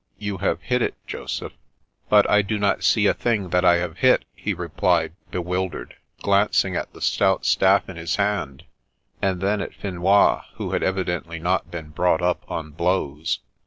You have hit it, Joseph." " But I do not see a thing that I have hit," he replied, bewildered, glancing at the stout staff in his hand, and then at Finois, who had evidently not been brought up on blows.